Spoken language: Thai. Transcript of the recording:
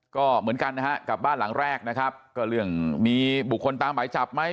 ก็เหมือนกันนะฮะกับบ้านหลังแรกนะครับก็เรื่องมีบุคคลตามหมายจับไหม